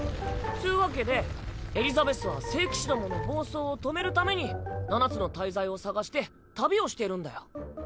つぅわけでエリザベスは聖騎士どもの暴走を止めるために七つの大罪を捜して旅をしてるんだよ。